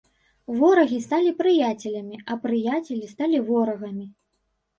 Ворагі сталі прыяцелямі, а прыяцелі сталі ворагамі.